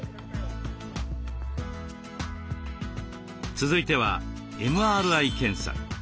続いてはＭＲＩ検査。